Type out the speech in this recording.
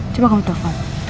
coba kamu telepon